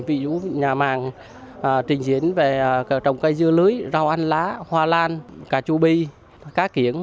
ví dụ nhà màng trình diễn về trồng cây dưa lưới rau ăn lá hoa lan cà chua bi cá kiển